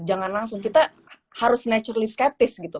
jangan langsung kita harus naturally skeptis gitu